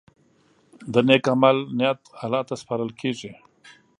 د نیک عمل نیت الله ته سپارل کېږي.